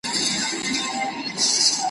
مرګی ظالم دی ژوند بې باوره `